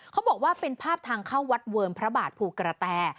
เขาบอกว่าเป็นภาพทางเข้าวัดเวิร์มพระบาทภูกระแต